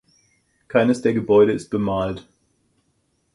Keines der Gebäude ist bemalt.